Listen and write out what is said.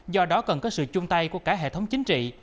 do đó cần có sự chung tay của cả hệ thống chính trị